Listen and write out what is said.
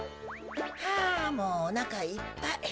はあもうおなかいっぱい。